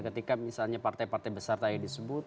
ketika misalnya partai partai besar tadi disebut